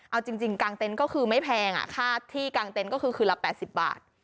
เอาจริงกางเต็นต์ก็คือไม่แพงค่าที่กลางเต็นต์ก็คือคืนละ๘๐บาท